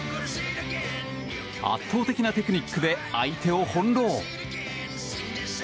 圧倒的なテクニックで相手を翻弄。